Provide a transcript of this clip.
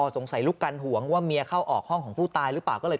สงสัยลูกกันห่วงว่าเมียเข้าออกห้องของผู้ตายหรือเปล่าก็เลย